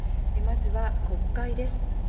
まずは国会です。